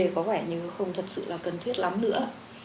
có vẻ như không thật sự là cần thiết lắm nữa